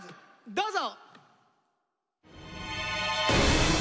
どうぞ！